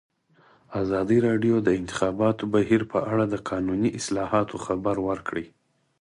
ازادي راډیو د د انتخاباتو بهیر په اړه د قانوني اصلاحاتو خبر ورکړی.